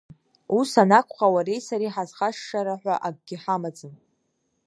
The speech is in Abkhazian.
Ус анакәха, уареи сареи ҳазхашшараҳәа акгьы ҳамаӡам.